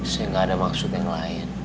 saya gak ada maksud yang lain